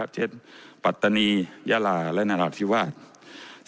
เช่นปัตตานียาลาและนราธิวาส